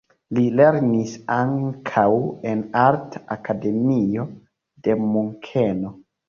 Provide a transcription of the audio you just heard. Li lernis ankaŭ en arta akademio de Munkeno.